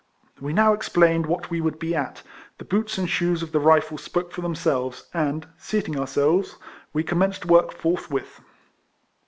We now explained what we would be at ; the boots and shoes of the Rifles spoke for themselves, and, seat ing ourselves, we commenced work forth with.